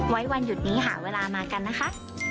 วันหยุดนี้หาเวลามากันนะคะ